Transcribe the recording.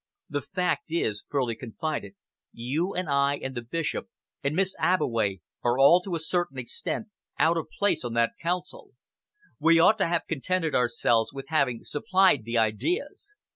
"The fact is," Furley confided, "you and I and the Bishop and Miss Abbeway are all to a certain extent out of place on that Council. We ought to have contented ourselves with having supplied the ideas.